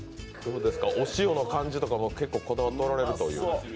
お塩の感じとかも結構こだわっておられるという。